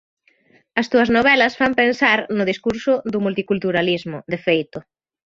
As túas novelas fan pensar no discurso do multiculturalismo, de feito.